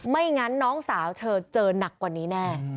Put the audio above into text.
ไม่งั้นน้องสาวเธอเจอหนักกว่านี้แน่